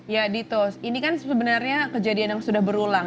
ya dito ini kan sebenarnya kejadian yang sudah berulang